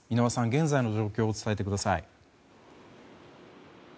現在の状況を伝えてください。